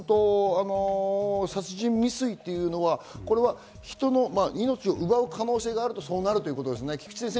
殺人未遂というのは、人の命を奪う可能性があれば、そうなるということですね。